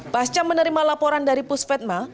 pasca menerima laporan dari pusvetma